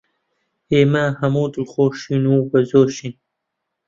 ئێمە هەموو دڵخۆشین و بەجۆشین